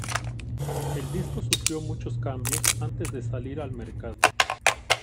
El disco sufrió muchos cambios antes de salir al mercado.